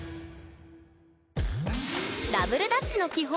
ダブルダッチの基本！